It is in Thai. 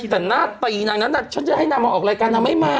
แต่หน้าตีนางนั้นฉันจะให้นางมาออกรายการนางไม่มา